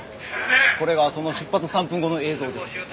これがその出発３分後の映像です。